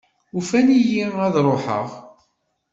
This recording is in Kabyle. Unfen-iyi ad ruḥeɣ.